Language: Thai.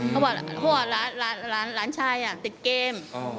เขาบอกพ่อหลานชายติดเกม